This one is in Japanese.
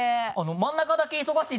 真ん中だけ忙しい？